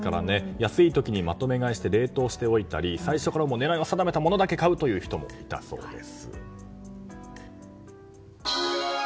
安い時にまとめ買いして冷凍しておいたり最初から狙いを定めて買うという人もいたようです。